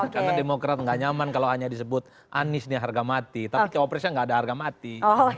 karena demokrat gak nyaman kalau hanya disebut anies ini harga mati tapi cawapresnya gak ada harga mati